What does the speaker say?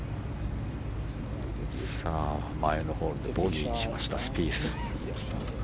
前のホールでボギーにしましたスピース。